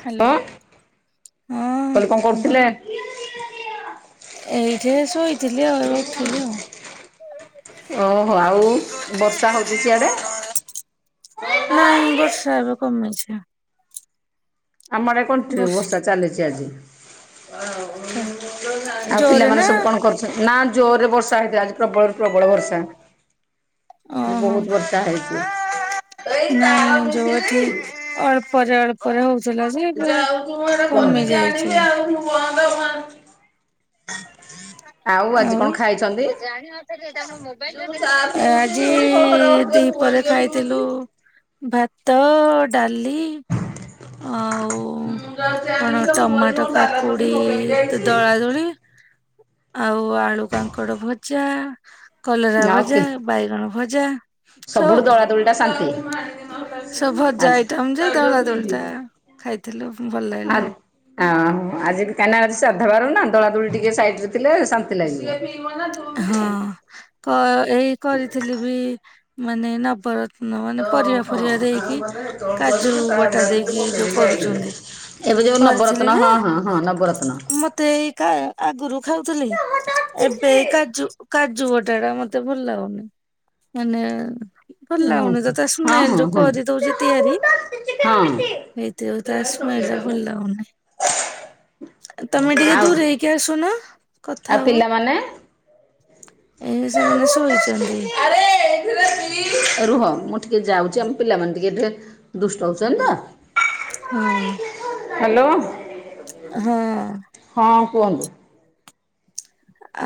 Hello ହଁ ହଁ କହିଲି କଣ କରୁଥିଲେ? କର ଏଇଠି ଶୋଇଥିଲି ଆଉ ଏ ଉଠଥିଲି ଆଉ। ଓହୋ ଆଉ ବର୍ଷା ହଉଚି ସିଆଡେ? ନାଇଁ ବର୍ଷା ଏବେ କମେଇଛି। ଆମଆଡେ କଣ୍ଟିନିଉ ବର୍ଷା ଚାଲିଚି ଆଜି। ଆଉ ଜୋରେ ନା? ପିଲାମାନେ ସବୁ କଣ କରୁ ନା ଜୋରରେ ବର୍ଷା ହେଇଥାଥିଲା ଆଜି ପ୍ରବଳରୁ ପ୍ରବଳ ବର୍ଷା। ଓହୋ। ବହୁତ ବର୍ଷା ହେଇଚି। ନାଇଁ ଯୋଉ [unintelligible] [unintelligible] ଯାଉଚି ମୁଁ ଆଡେ କମି ପନିକି ଯାଇଛି ଆଣିବି ଆଉ ମୁଁ ବନ୍ଦ କରୁଚି? ଆଉ ଆଜି କଣ ଖାଇଚନ୍ତି? [inaudible] ଆଜି ଦିପହରେ ଖାଇଥିଲୁ ଭାତ ଡାଲି ଆଉ କଣ ହ ଟମାଟୋ କାକୁଡି ଦଳା ଦଳି [inaudible] ଆଉ ଆଳୁ କାଙ୍କଡ ଭଜା କଲରା ଆଉ ଭଜା କି ବାଇଗଣ ଭଜା। ସବୁ ସବୁଠୁ ଦୋଳା ଦୋଳି ଟା ଶାନ୍ତି। ସବୁ ଭଜା ଆଇଟମ ଯେ ଦଳା ଦୋଳିଟା ଖାଇଥିଲୁ ଭଲ ଲାଗିଲା [inaudible] ଆଉ। ଓହୋ ଆଜି କାଇନା ଆଜି ସାଧାବାର ନା ଦଳା ଦୋଳି ଟିକେ ସାଇଡ ରେ ଥିଲେ ଶାନ୍ତି ଲାଗିବ। ହଁ। କ ଏଇ କରିଥିଲି ବି ମାନେ ନବର ତ୍ନ ମାନେ ପରିବା ଫରିବା ଦେଇକି କାଜୁ ବଟା ଦେଇକି ଯୋଉ କରୁଚନ୍ତି। ଏବେ ଯୋଉ ନବରତ୍ନ କରିଥିଲି ଯେ ହଁ ହଁ ହଁ ନବରତ୍ନ। ମତେ ଏଇ ଆଗରୁ ଖାଉଥିଲି। ଏବେ କାଜୁ କାଜୁ ବଟା ଟା ମତେ ଭଲ ଲାଗୁନି। ମାନେ ଭଲ ହୁଁ ଲାଗୁନି ତ ତା ହଁ ସ୍ମେଲ ହଁ ଯୋଉ ହଁ ହଁ। କରିଦଉଛି ତିଆରି। ଆଉ ଏଇତି ଯୋଗୁ ତା ସ୍ମାଇଲ ଟା ଭଲ ଲାଗୁନି। ତମେ ଟିକେ ଦୂର ହେଇକି ଆସୁନ ଆଉ କଥା ହବ। ପିଲାମାନେ? ଏଇ ସେମାନେ ଶୋଇଛନ୍ତି। ଆରେ ଏଇଥିରେ ରୁହ ମୁଁ ଟିକେ ଯାଉଛି ଆମ ପିଲାମାନେ ଟିକେ ଟିକେ ଦୁଷ୍ଟ ହଉଛନ୍ତି ତ। ହଁ। ହ୍ୟାଲୋ। ହଁ। ହଁ କୁହନ୍ତୁ।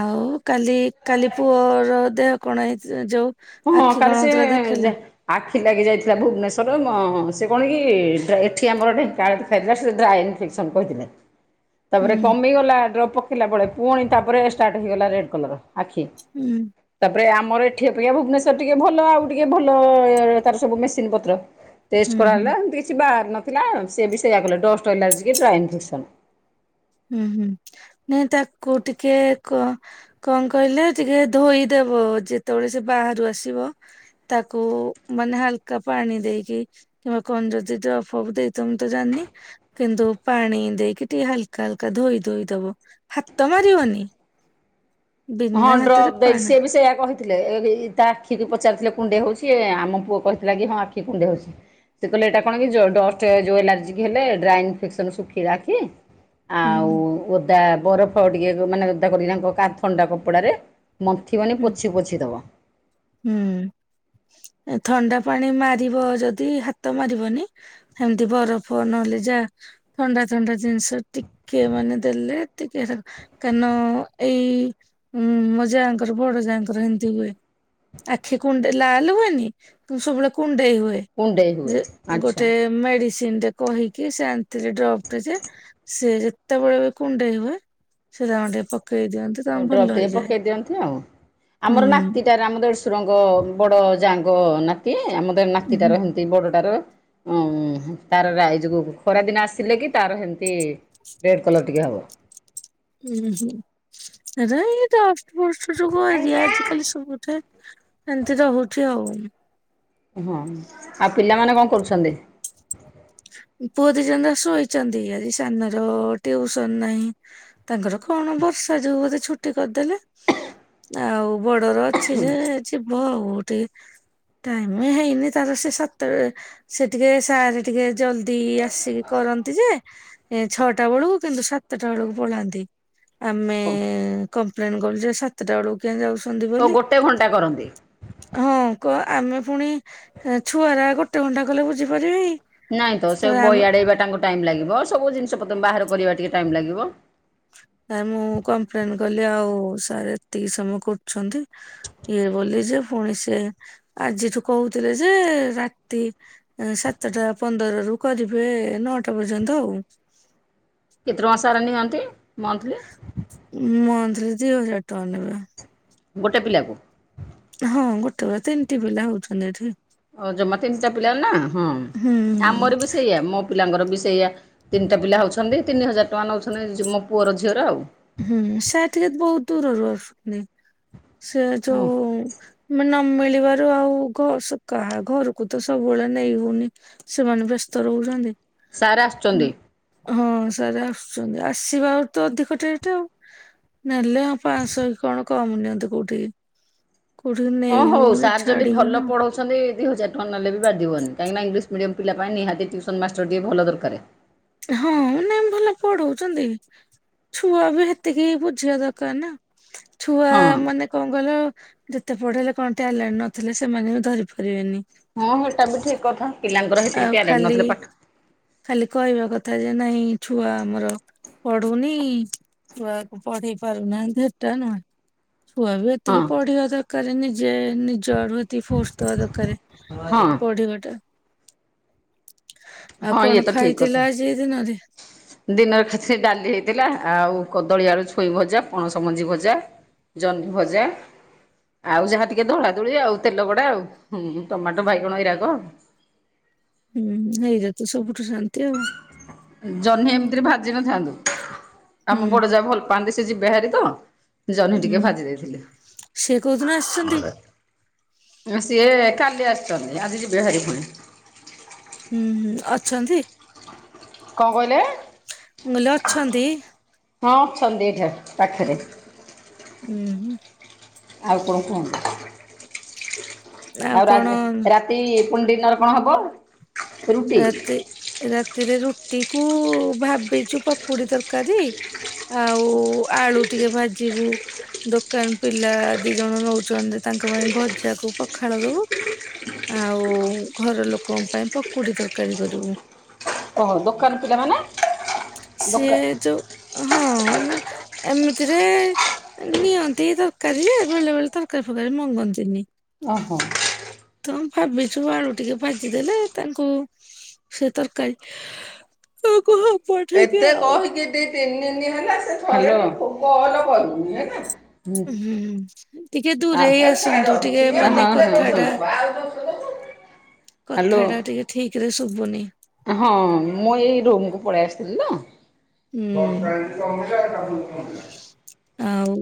ଆଉ କାଲି କାଲି ପୁଅର ଦେହ କଣ ହେଇ ଯୋଉ ହୁଁ ଆଖି କଣ କଲି ହଉଥିଲା ଦେଖେଇଲ ସିଏ ଆଖି ଲାଗି ଯାଇଥିଲା ଭୁବନେଶ୍ୱର ସେ କଣ କି ଏଠି ଆମର ଢେଙ୍କାଳ ଖାଇଥିଲା ସେ ଡ୍ରାଇନ୍ ଫ୍ରିକ। ସବୁ କହିଥିଲେ। ହୁଁ ତାପରେ କମିଗଲା ଡ୍ରପ୍ ପକେଇଲା ବେଳେ ପୁଣି ତାପରେ ଷ୍ଟାର୍ଟ ହେଇଗଲା ରେଡ୍ କଲର ଆଖି। ହୁଁ। ତାପରେ ଆମର ଏଠି ପ୍ରିୟା ଭୁବନେଶ୍ୱର ଟିକେ ଭଲ ଆଉ ଟିକେ ଭଲ ତାର ସବୁ ମେସିନ ପତ୍ର। ହୁଁ ଟେଷ୍ଟ ହୁଁ କରାଗଲା ଏମିତି କିଛି ବାହାରି ନଥିଲା ସେ ବି ସେୟଆ କଲା ଡଷ୍ଟ ଏଲାର୍ଜି କି ଡ୍ରାଏ ଇନଫେକ୍ସନ୍। ହୁଁ ହୁଁ ନାଇଁ ତାକୁ ଟିକେ କ କଣ କହିଲେ ଟିକେ ଧୋଇଦବ ଯେତେବେଳେ ସେ ବାହାରୁ ଆସିବ। ତାକୁ ମାନେ ହାଲକା ପାଣି ଦେଇକି। କିମ୍ବା କଣ ଯଦି ଟ ଅଫ ଅଫ ଦେଇଥମ ତ ଜାଣିନି କିନ୍ତୁ ପାଣି ଦେଇକି ଟିକେ ହାଲ୍ ହାଲକା ହାଲକା ଧୋଇ ଧୋଇଦବୁ ହାତ ମାରିବନି? ହଁ ବିନା ହାତରେ ଡ୍ରପ୍ ଦେଇଛି। ପାଣା ସେ ବି ସେୟା କହି ଥିଲେ ଏ ତା ଆଖିକୁ ପଚାରିଥିଲେ କୁଣ୍ଡେଇ ହଉଛି। ଏ ଆମ ପୁଅ କହିଥିଲା କି ହଁ ଆଖି କୁଣ୍ଡେଇ ହଉଛି। ସେ କହିଲେ ଏଇଟା କଣ କିଡଷ୍ଟ ଯୋଉ ଏଲାର୍ଜି ହେଲେ ଡ୍ରାଏ ଇନଫେକ୍ସନ ଶୁଖି ରହିକି ହୁଁ ଆଉ ଓଦା ବରଫ ଟିକେ ମାନେ ଓଦା କରିକିନାଙ୍କ କା ଥଣ୍ଡା କପଡାରେ ମନ୍ଥି ମନି ହୁଁ ପୋଛି ପୋଛି ଦବ। ହୁଁ ଥଣ୍ଡା ପାଣି ମାରିବ ଯଦି ହାତ ମାରିବନି। ଏମିତି ବରଫ ନହେଲେ ଯା ଥଣ୍ଡା ଥଣ୍ଡା ଜିନିଷ ଟିକେ ମାନେ ଦେଲେ ଟିକେ ହେଟା କାରଣ ଏଇ ଉ ମୋ ଯାହାଙ୍କର ବଡ ଯାହାଙ୍କର ଏମିତି ହୁଏ। ଆଖି କୁଣ୍ଡ ଲାଲ ହୁଏନି କି ସବୁବେଳେ କୁଣ୍ଡେଇ ହୁଏ। କୁଣ୍ଡେଇ ହୁଏ ଯେ ଆଚ୍ଛା। ଗୋଟେ ମେଡିସିନ୍‌ ରେ କହିକି ସେ ଡ୍ରପ୍ ଯେ। ସେ ଯେତେବେଳେ ବି କୁଣ୍ଡେଇ ହୁଏ। ସେ ତାଙ୍କୁ ଟିକେ ପକେଇ ଦିଅନ୍ତି। ଓ ତାଙ୍କୁ ଭଲ ଡ୍ରପ୍ ଟିକେ ହେଇଯାଏ ପକେଇ ଦିଅନ୍ତିୁ। ଆଉ ହୁଁ। ଆମର ନାତିଟାରେ ଆମ ଦେଡୁସ ରଙ୍ଗ ବଡ ଯାଙ୍ଗ ନାତି ଆମ ତ ହୁଁ ନାତି ତାର ହେମିତି। ବଡଟାର ଉ ତାର ଯ ଖରାଦିନ ଆସିଲେ କି ତାର ସେମିତି ରେଡ଼୍ କଲର୍ ଟିକେ ହବ। ଉଁ ହୁଁ ଏଇଟା ନଷ୍ଟ ବଷ୍ଟ ଯୁଗ ଆଜିକାଲି ସବୁ ରେ ଏମିତି ରହୁଛି ଆଉ। ହଁ ଆଉ ପିଲାମାନେ କଣ କରୁଛନ୍ତି? ପୁଅ ଦି ଜଣ ଯାକ ଶୋଇଛନ୍ତି। ଆଜି ସାନର ଟିଉସନ ନାହିଁ। ତାଙ୍କର କଣ ବର୍ଷା ଯୋଗୁ ବୋଧେ ଛୁଟି କରିଦେଲେ। ଆଉ ବଡର ସେ ଯେ ଅଛି ବଉ ଟେ ଟାଇମ୍ ହେଇନି ତାର ସେ ସତରେ ସେ ଟିକେ ସାରେ ଟିକେ ଜଲ୍ଦି ଆସିକି କରନ୍ତି ଯେ ଏ ଛଅଟା ବେଳକୁ କିନ୍ତୁ ସାତଟା ବେଳକୁ ପଳାନ୍ତି। ଆମେ କମ୍ପ୍ଲେନ କଲୁ ଯେ ସାତଟା ବେଳକୁ କିଆଁ ଯାଉଛନ୍ତି ଓ ବୋଲି। ଗୋଟେ ଘଣ୍ଟା କରନ୍ତି। ହଁ କୁହ ଆମେ ଫୁଣି ଛୁଆଗୁରା ଗୋଟେ ଘଣ୍ଟା କଲେ ବୁଝିପାରିବେ କି ନାଇଁ ତ ସେ ବହି ଆଡେଇବା ତାଙ୍କୁ ଟାଇମ୍ ଲାଗିବ। ସବୁ ଜିନିଷ ପତ୍ର ବାହାର କରିବା ଟିକେ ଟାଇମ୍ ଲାଗିବ। ନାଇଁ ମୁଁ କମ୍ପ୍ଲେନ କଲି ଆଉ ସାର୍ ଏତିକି ସମୟ କରୁଛନ୍ତି। ଇଏ ବୋଲି ଯେ ପୁଣି ସେ ଆଜିଠୁ କହୁଥିଲେ ଯେ ରାତି ସାତଟା ପନ୍ଦର ରୁ କରିବେ ନଅଟା ପର୍ଯ୍ୟନ୍ତ ଆଉ। କେତେ ଟଙ୍କା ସାର ନିଅନ୍ତି? ମନ୍ଥଲି। ମନ୍ଥଲି ଦି ହଜାର ଟଙ୍କା ନେବେ। ଗୋଟେ ପିଲାକୁ? ହଁ ଗୋଟେ ବେଳେ ତିନିଟି ପିଲା ହଉଛନ୍ତି ଏଠି- ଓ ଜମା ତିନିଟା ପିଲା ନା ହଁ ହୁଁ ଆମର ବି ସେଇଆ ମୋ ପିଲାଙ୍କର ବି ସେଇଆ ତିନିଟା ପିଲା ହେଉଛନ୍ତି। ତିନି ହଜାର ଟଙ୍କା ନେଉଛନ୍ତି ମୋ ପୁଅର ଝିଅର ଆଉ ହୁଁ ସାର ଟିକେ ବହୁତ ଦୂରରୁ ଆସୁଛନ୍ତି। ସେ ହଁ। ଯୋଉ- ନ ମିିଳିବାରୁ ଆଉ ଘର କାହା ଘରକୁ ତ ସବୁବେଳେ ନେଇ ହଉନି। ସେମାନେ ବ୍ୟସ୍ତ ରହୁଛନ୍ତି। ସାର୍ ଆସୁଛନ୍ତି? ହଁ ସାର୍ ଆସୁଛନ୍ତି। ଆସିବା ଆ ତ ଅଧିକଟେ ଉ ନେଲେ ଅ ପାଁଶହ କଣ କମ ନିଅନ୍ତୁ କୋଉଠିକି କୋଉଠିକି ନେଇ ହଉନି ଛାଡ଼ି ହଉନି। ଦି ହଜ ଟଙ୍କା ନେଲେ ବି ବାଧିବନି କହିଁକିନା ଇଂଲିଶ ମିଡିୟମ ପିଲା ପାଇଁ ନିହାତି ଟ୍ୟୁସନ ମାଷ୍ଟର ଟିଏ ଭଲ ଦରକାର। ହଁ ନାଇଁ ଭଲ ପଢଉଛନ୍ତି। ଛୁଆ ବି ହେତିକି ବୁଝିବା ଦରକାର ନା- ଛୁଆ ହଁ। ମାନେ କଣ କହିଲ ଯେତେ ପଢେଇଲେ କଣ ଟ୍ୟାଲେଣ୍ଟ ନଥିଲେ ସେମାନେ ବି ଧରି ପାରିବେନି। ହଁ ସେଇଟା ବି ଠିକ କଥା ପିଲାଙ୍କର ହେତିକି ଆଉ ଟ୍ୟାଲେଣ୍ଟ ଖାଲି ନଥିଲେ ପାଠ - ଖାଲି କହିବା କଥା ଯେ ନାଇଁ ଛୁଆ ଆମର ପଢୁନି ଛୁଆକୁ ପଢେଇ ପାରୁନାହାନ୍ତି ଏଟା ନୁହେଁ। ଛୁଆ ବି ହଁ ଏତିକି ପଢିବା ଦରକାର ନିଜେ ନିଜ ଆଡୁ ଏତିକି ଫୋର୍ସ ଦବା ଦରକାରେ। ହଁ। ପଢି ବାଟା ଆଉ ହଁ ଇଏ କଣ ତ ଠିକ୍ କଥା। ଖାଇଥିଲା ଆଜି ଏ ଦିନରେ ଦିନରେ ଖାଲି ସେହି ଡାଲି ହେଇଥିଲା ଆଉ କଦଳୀ ଆଳୁ ଛୁଇ ଭଜା ପଣସ ମଞ୍ଜି ଭଜା ଜହ୍ନି ଭଜା ଆଉ ଯାହା ଟିକେ ଦଳା ଦଳି ଆଉ ତେଲ ଗଡା ଆଉ ଟମାଟୋ ବାଇଗଣ ଏଇରାକ ହୁଁ ହେଇରା ତ ସବୁ ଖାନ୍ତି ଆଉ। ଜହ୍ନି ଏମିତିରେ ଭାଜି ନଥାନ୍ତୁ ହୁଁ ଆମ ବଡ ଯା ଭଲ ପାଆନ୍ତି। ସେ ଯିବେ ହାରି ତ ଜହ୍ନି ହୁଁ ଟିକେ ଭାଜି ଦେଇଥିଲି। ସିଏ କୋଉଦିନ ଆସିଛନ୍ତି ସିଏ କାଲି ଆସିଛନ୍ତି। ଆଜି ଯିବେ ଭାରି ଫୁଣି। ହୁଁ ହୁଁ ଅଛନ୍ତି? କଣ କହିଲେ? ମୁଁ କଇଲି ଅଛନ୍ତି? ହଁ ଅଛନ୍ତି ଏଇଠା ପାଖରେ। ଉଁ ହୁଁ! ଆଉ କଣ କୁହନ୍ତୁ ଆଉ ରା ତି ପୁଡି ତା ର କଣ ହବ? [unintelligible] ରୁଟି ରାତି ରାତିରେ ରୁଟି କୁ ଭାବିଛୁ ପକୁଡି ତରକାରୀ ଆଉ ଆଳୁ ଟିକେ ଭାଜିବୁ! ଦୋକାନ ପିଲା ଦି ଜଣ ନଉଛନ୍ତି ତାଙ୍କ ପାଇଁ ଭଜାକୁ ପଖାଳ ଦବୁ! ଆଉ ଘର ଲୋକଙ୍କ ପାଇଁ ପକୁଡି ତରକାରୀ କରିବୁ! ଓହୋ ଦୋକାନ ପିଲାମାନେ ସିଏ ଦୋକାନ ଯୋଉ ହଁ ନା ଏମିତିରେ ନିଅନ୍ତି ଏ ତରକାରୀ ବେଲେ ବେଳେ ତରକାରୀ ଫର କାରି ମଗନ୍ତିନି। ଓହୋ। ତ ଭାବିଛୁ ଆଳୁ ଟିକେ ଭାଜିଦେଲେ ତାଙ୍କୁ ସେ ତରକାରୀ ତୁ କୁହ। ଏତେ କହିକି ଦି ତିନିିନି ହେଲା ସେଭଲ କଲକରୁନି ହେଲା। ହୁଁ ଟିକେ ଦୂରେଇ ଆଉ ଛାଡ ଆସନ୍ତୁ ଟିକେ ସିଏ ମାନେ ମତେ ଦୋଷ କଥା ଟା ଦବ ଆଉ ଦୋଷ ଦବ। ହ୍ୟାଲୋ କଥା ଟା ଟିକେ ଠିକ ରେ ଶୁଭୁନି। ହଁ ମୁଁ ଏଇ ରୋମକୁୁ ପଳେଇ ଆସିଥିଲି ତ [unintelligible] ହୁଁ ଆଉ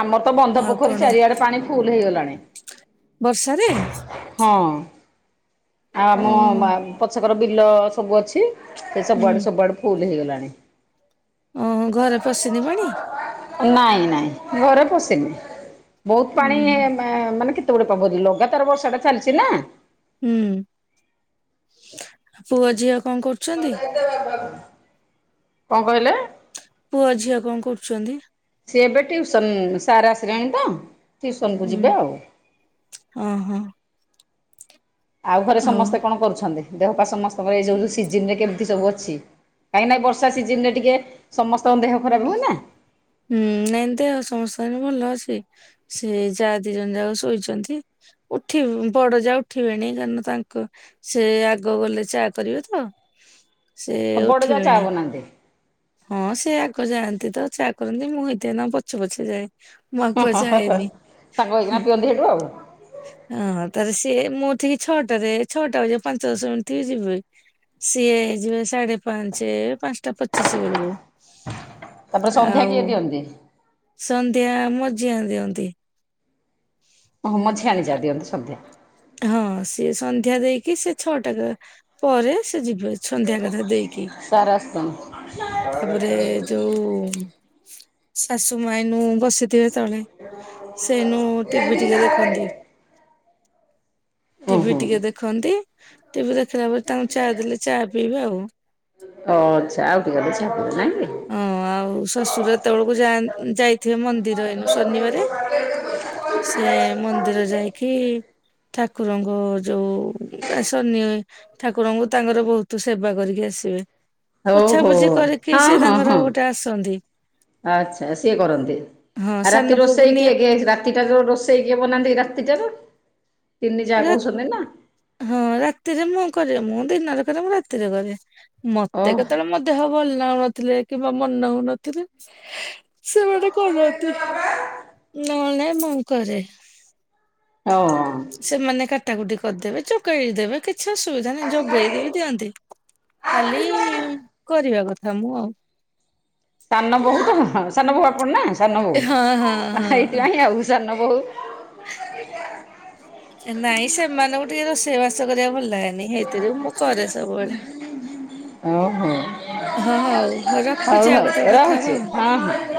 ଆମର ତ ବନ୍ଧ ଆଉ ପୋଖରୀ କଣ ଚାରିଆଡେ ପାଣି ଫୁଲ ହେଇଗଲାଣି। [unintelligible] ହଁ। ଓ ଆଉ ଆମ ପଛକର ବିଲ ସବୁ ଅଛି ସେ ହୁଁ ସବୁଆଡୁ ସବୁଆଡୁ ଫୁଲ ହେଇଗଲାଣି। ଓହୋ ଘରେ ପଶିନି ପାଣି। ନାଇଁ ନାଇଁ ଘରେ ପଶିନି। ବହୁତ ପାଣି ହୁଁ ମାନେ କେତେ ଗୁଡେ ପବଦି ଲଗାତାର ବର୍ଷା ଟା ଚାଲିଛି ନା। ହୁଁ ପୁଅ ଝିଅ କଣ କରୁଛନ୍ତି? କଣ କହିଲେ? ପୁଅ ଝିଅ କଣ କରୁଛନ୍ତି? ସିଏ ଏବେ ଟିଉସନ ସାର୍ ଆସିଲାଣି ତ ଟ୍ୟୁଉସନକୁୁ ଯିବେ ଆଉ। ହଁ ହଁ। ଆଉ ଘରେ ସମସ୍ତେ କଣ କରୁଛନ୍ତି ଦେହ ପା ସମସ୍ତଙ୍କର ଏଇ ଯୋଉ ସିଜିନ ରେ କେମିତି ସବୁ ଅଛି? କାହିଁକି ନା ବର୍ଷା ସିଜିନ ରେ ଟିକେ ସମସ୍ତଙ୍କ ଦେହ ଖରାପ ହୁଏ ନା। ହୁଁ ନାଇଁତି ଆଉ ସମସ୍ତ ଦିନ ଭଲ ଅଛି। ସେ ଯା ଦି ଜଣ ଯାକ ଶୋଇଛନ୍ତି। ଉଠିବ ବଡ ଯା ଉଠିବେନି କାରଣ ତାଙ୍କ ସେ ଆଗ ଗଲେ ଚା କରିବେ ତ ସେ ସବୁଆଡେ ଯା ଚା ଉଠିବେଣି। ବନାନ୍ତି। ହଁ ସେ ଆଗ ଜାଣନ୍ତି ତ ଚାହା କରନ୍ତି ମୁଁ ହେଇଥି ନ ପଛେ ପଛେ ଯାଏ। ମୁଁ ହଁ ହଁ ହଁ ହଁ ଆଖୁଆଜାଏନି। ସାଙ୍ଗ ହେଇକିନା ପିଅନ୍ତି ସେଇଠୁ ଆଉ। ହଁ ତାଲେ ସିଏ ମୁଁ ଠିକି ଛଅଟାରେ ଛଅଟା ବାଜିପାଞ୍ଚ ଦଶ ମିନିଟ ଥିବଯିବି। ସିଏ ହେଇଯିବେ ସାଢେ ପାଞ୍ଚ ପାଞ୍ଚଟା ପ ସିସି ବେଳକୁ ତାପରେ ସନ୍ଧ୍ୟା ଆଉ କିଏ ଦିଅନ୍ତି? ସନ୍ଧ୍ୟା ମଝିଆଁ ଦିଅନ୍ତି। ଓହୋ ମଝି ଆ, ଆଣିଯା ଦିଅନ୍ତୁ ସନ୍ଧ୍ୟା। ହଁ ସିଏ ସନ୍ଧ୍ୟା ଦେଇକି ସେ ଛଅଟା ପରେ ସେ ଯିବେ। ସନ୍ଧ୍ୟା କଥା ଦେଇକି ସାର୍ ଆସିଛନ୍ତି। ତାପରେ ଯୋଉ ଶାଶୁ ମାଇ ନୁ ବସିଥିବେ ତଳେ ସେଇନୁ ଟିଭି ଟିକେ ଦେଖନ୍ତି। ଟିଭିି ଓହୋ। ଟିକେ ଦେଖନ୍ତି ଟିଭିି ଦେଖିଲା ପରେ ତାଙ୍କୁ ଚା ଦେଲେ ଚା ପିଇବେ ଆଉ। ଓ ଚା ଆଉ ଟିକେ ବ ଛାପ ନାଇଁ କି? ହଁ ଆଉ ଶ୍ୱଶୁର ଏତେବେଳକୁ ଜାଁନ୍ ଯାଇଥିବେ ମନ୍ଦିର ଏଇନୁ ଶନିବାରେ [unintelligible] ସେ ମନ୍ଦିର ଯାଇକି ଠାକୁରଙ୍କୁ ଯୋଉ ବା ସନି ଠାକୁରଙ୍କୁ ତାଙ୍କର ବହୁତ ସେବା କରିକି ଆସିବେ। ହଉ ହଉ ପୋଛାପୋଛି କରିକି ହଁ ସେ ହଁ ତାଙ୍କର ହଁ। ଗୋଟେ ଆସନ୍ତି। ଆଚ୍ଛା ସିଏ କରନ୍ତି ହଁ ଆଉ ରାତି ସାନ ପୁଅକୁ ରୋଷେଇ କିଏ ନିଏ କିଏ ରା ରାତିଟାରୁ ରୋଷେଇ କିଏ ବନାନ୍ତି ରାତିଟାରୁ ତିନି ଯା ରା କହୁଛନ୍ତି ନା। ହଁ ରାତିରେ ମୁଁ କରେ ମୁଁ ଦିନରେ କରେ ମୁଁ ରାତିରେ କରେ ମତେ ଓହ କେତେବେଳେ ମ ଦେହ ଭଲ ନଉନଥିଲେ କିମ୍ବା ମନ ହଉନଥିଲେ ସେମାନେ କରନ୍ତି ନଲେ ନାଇଁ ମୁଁ କରେ। ଅ। ସେମାନେ କାଟାକୁଟି କରିଦେବେ ଚକେଇଳି ଦେବେ କି କିଛି ଅସୁବିଧା ନାହିଁ ଯୋଗେଇଦବ ଦିଅନ୍ତି। ଖାଲି କରିବା କଥା ମୁଁ ଆଉ। ସାନ ବୋହୂ ତ ସାନ ବୋହୂ ଆପଣ ନା ସାନ ହଁ ହଁ ବୋହୂ ଏଇଥିପାଇଁ ଆଉ ହଁ। ସାନ ବୋହୂ [unintelligible] ନାଇଁ ସେମାନଙ୍କୁ ଟିକେ ରୋଷେଇବାସ କରିବା ଭଲ ଲାଗେ। ନି ହେଇଥିଯୋଗୁ ମୁଁ କରେ ସବୁବେଳେ। ଓହୋ ହଁ ହଉ ହଉ ରଖୁଛି ଆଉ ହଉ କେତେବେଳେ କଥା ହବା ରହୁଛି ଆଉ। ହଁ ହଁ।